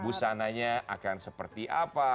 busananya akan seperti apa